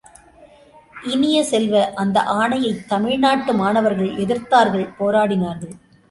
இனிய செல்வ, அந்த ஆணையத் தமிழ்நாட்டு மாணவர்கள் எதிர்த்தார்கள் போராடினார்கள்.